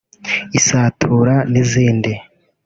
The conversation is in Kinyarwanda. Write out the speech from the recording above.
isatura n’izindi